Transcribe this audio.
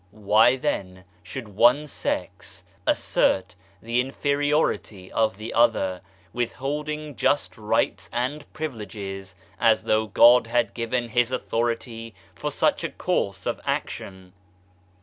Why then should one sex assert the inferiority of the other, withholding just rights and privileges as though God had given His authority for such a course of action